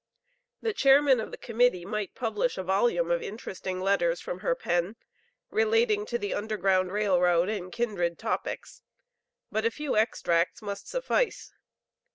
The Chairman of the Committee might publish a volume of interesting letters from her pen relating to the Underground Rail Road and kindred topics; but a few extracts must suffice.